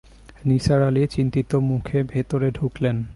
নিসার আলি চিন্তিত মূখে ভেতরে ঢুকলেন।